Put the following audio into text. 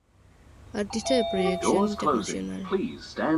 Artista de proyección internacional.